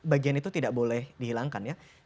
bagian itu tidak boleh dihilangkan ya